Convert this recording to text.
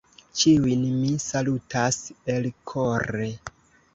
Ĉiujn mi salutas elkore.